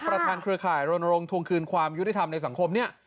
ประธานเครือข่ายรณรงค์ทวงคืนความยุติธรรมในสังคม